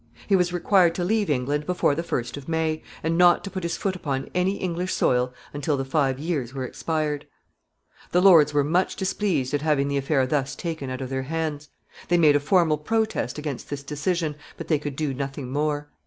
He was required to leave England before the first of May, and not to put his foot upon any English soil until the five years were expired. [Sidenote: The people enraged.] [Sidenote: A riot.] The Lords were much displeased at having the affair thus taken out of their hands. They made a formal protest against this decision, but they could do nothing more.